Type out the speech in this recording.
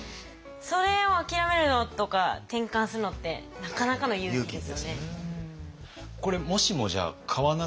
それを諦めるのとか転換するのってなかなかの勇気ですよね。